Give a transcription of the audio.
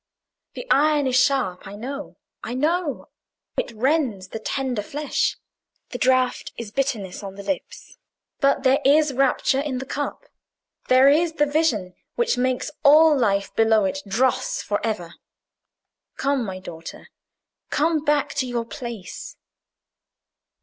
The iron is sharp—I know, I know—it rends the tender flesh. The draught is bitterness on the lips. But there is rapture in the cup—there is the vision which makes all life below it dross for ever. Come, my daughter, come back to your place!"